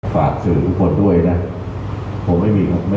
นักอุปิ๊ปไว้ละ